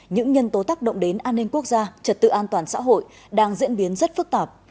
những nhân tố tác động đến an ninh quốc gia trật tự an toàn xã hội đang diễn biến rất phức tạp